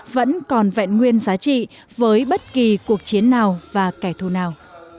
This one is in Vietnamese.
vẫn còn vẹn nguyên giá trị với bất kỳ cuộc chiến nào và kẻ thù nào